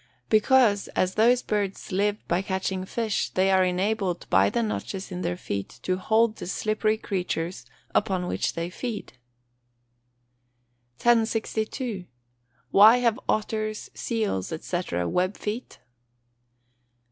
_ Because, as those birds live by catching fish, they are enabled by the notches in their feet, to hold the slippery creatures upon which they feed. 1062. _Why have otters, seals, &c., web feet?